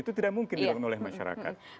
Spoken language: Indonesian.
itu tidak mungkin dilakukan oleh masyarakat